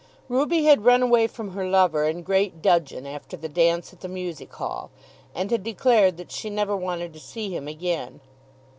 Ruby had run away from her lover in great dudgeon after the dance at the Music Hall, and had declared that she never wanted to see him again.